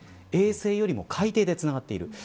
衛星よりも海底でつながっている。